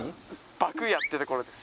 麦家ってところです